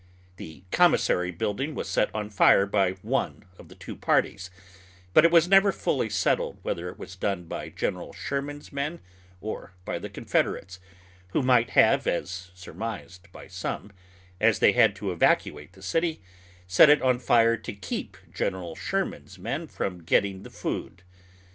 The commissary building was set on fire by one of the two parties, but it was never fully settled whether it was done by Gen. Sherman's men or by the Confederates, who might have, as surmised by some, as they had to evacuate the city, set it on fire to keep Gen. Sherman's men from getting the food.